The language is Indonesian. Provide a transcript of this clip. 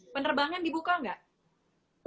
penerbangan dibuka nggak